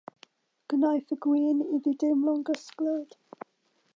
Gwnaeth y gwin iddi deimlo'n gysglyd.